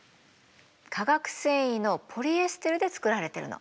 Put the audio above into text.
化学繊維のポリエステルで作られてるの。